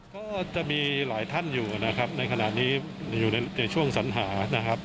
ก็จะมีหลายท่านอยู่นะครับในขณะนี้อยู่ในช่วงสัญหานะครับ